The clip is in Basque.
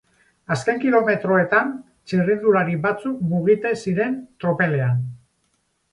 Azken kilometroetan txirrindulari batzuk mugite ziren tropelean.